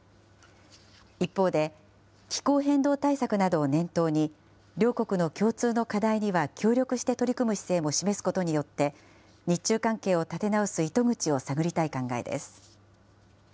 一方で、気候変動対策などを念頭に、両国の共通の課題には協力して取り組む姿勢も示すことによって、日中関係を立て直す糸口を探りたい考えです。